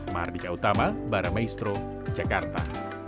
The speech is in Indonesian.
mahardika utama baramaestro jakarta